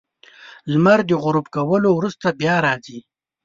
• لمر د غروب کولو وروسته بیا راځي.